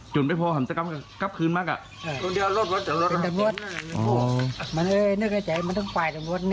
จุดไปพอสัมศักรรมกลับคืนมากอะ